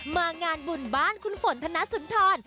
มางานบุญบ้านคุณฝนธนสุนทร